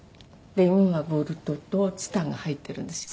今ボルトとチタンが入ってるんですよ。